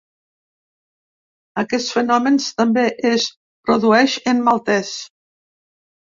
Aquest fenomen també es produeix en maltès.